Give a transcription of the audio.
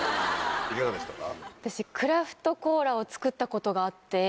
いかがでしたか？